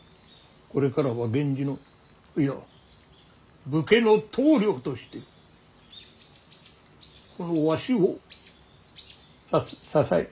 これからは源氏のいや武家の棟梁としてこのわしをさ支え。